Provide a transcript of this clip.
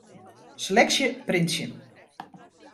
Seleksje printsje.